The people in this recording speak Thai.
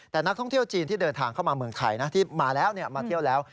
แต่นักท่องเที่ยวจีนที่เดินทางเข้ามาเมืองไทยนะที่มาแล้วมาเที่ยวแล้ว